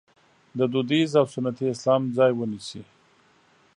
د دودیز او سنتي اسلام ځای ونیسي.